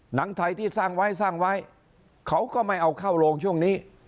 หนังไทยที่สร้างไว้สร้างไว้เขาก็ไม่เอาเข้าโรงช่วงนี้